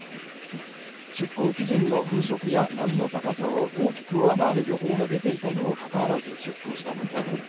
出港基準の風速や波の高さを大きく上回る予報が出ていたにもかかわらず出港したこと。